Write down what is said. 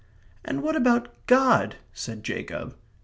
"And what about God?" said Jacob.